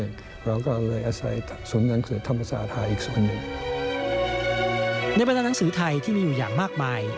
บรรดาหนังสือไทยที่มีอยู่อย่างมากมาย